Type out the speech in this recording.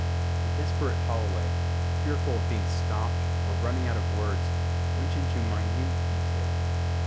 '" The desperate Holloway, fearful of being stopped or running out of words, went into minute detail.